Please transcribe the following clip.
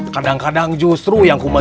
kadang kadang justru yang kuma